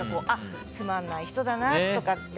つまんない人だなとかって。